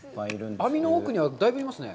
網の奥には、だいぶいますね。